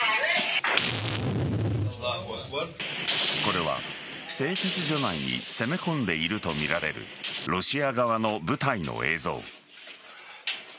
これは、製鉄所内に攻め込んでいるとみられるロシア側の部隊の映像。